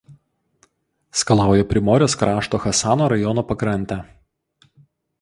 Skalauja Primorės krašto Chasano rajono pakrantę.